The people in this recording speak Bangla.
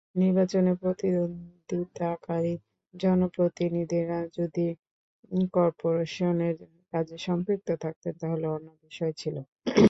নির্বাচনে প্রতিদ্বন্দ্বিতাকারী জনপ্রতিনিধিরা যদি করপোরেশনের কাজে সম্পৃক্ত থাকতেন, তাহলে অন্য বিষয় ছিল।